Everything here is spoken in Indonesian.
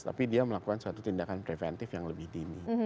tapi dia melakukan suatu tindakan preventif yang lebih dini